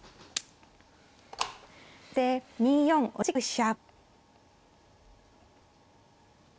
先手２四同じく飛車。